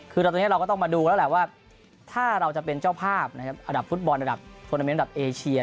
คือตอนนี้เราก็ต้องมาดูแล้วแหละว่าถ้าเราจะเป็นเจ้าภาพนะครับอันดับฟุตบอลระดับทวนาเมนต์ระดับเอเชีย